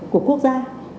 của quốc gia